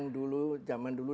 dulu memang dulu